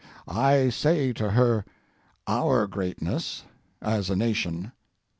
I say to her, our greatness—as a nation.